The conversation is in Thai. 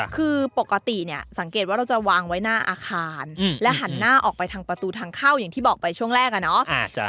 คือปกติเนี่ยสังเกตว่าเราจะวางไว้หน้าอาคารและหันหน้าออกไปทางประตูทางเข้าอย่างที่บอกไปช่วงแรกอะเนาะ